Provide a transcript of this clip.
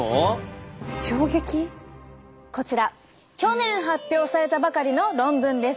こちら去年発表されたばかりの論文です。